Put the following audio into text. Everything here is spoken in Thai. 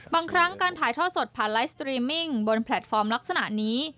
บางครั้งการถ่ายท่อสดผ่านไลฟ์สตรีมมิ่งบนแพลตฟอร์มลักษณะนี้